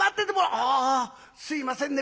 「あすいませんね